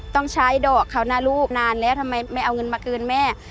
ต้องใช้ดอกเขานะลูกนานแล้วทำไมไม่เอาเงินมาคืนแม่